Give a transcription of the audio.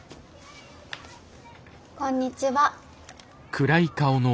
こんにちは。